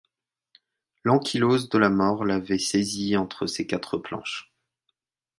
L’ankylose de la mort l’avait saisi entre ces quatre planches.